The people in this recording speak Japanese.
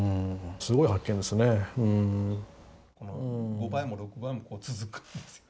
５倍も６倍もこう続くんですよ。